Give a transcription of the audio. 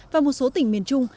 và một số tỉnh miền trung